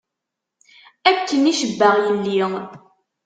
Akken i cebbaɣ yelli.